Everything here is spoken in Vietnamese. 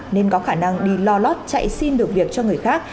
nên có khả năng đi lo lót chạy xin được việc cho người khác